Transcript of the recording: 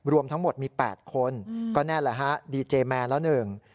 รวมทั้งหมดมี๘คนก็แน่แหละฮะดีเจแมนแล้วหนึ่ง